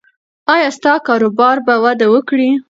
ایا ستا کاروبار به وده وکړي؟